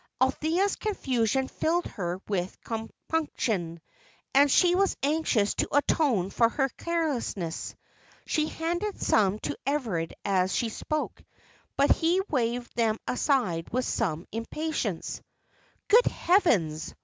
Althea's confusion filled her with compunction, and she was anxious to atone for her carelessness. She handed some to Everard as she spoke, but he waved them aside with some impatience. "Good heavens!